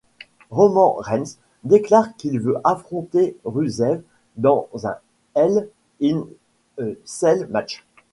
Roman Reigns déclare qu'il veut affronter Rusev dans un Hell in a Cell match.